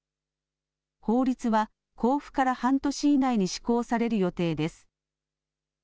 法律は公布から半年以内に施行される予定です。